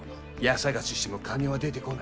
家捜ししても金は出てこない。